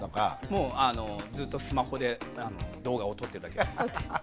もうずっとスマホで動画を撮ってるだけです。